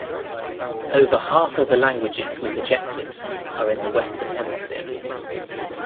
Over half of the languages with ejectives are in the Western Hemisphere.